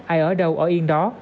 ai ở đâu ở yên đó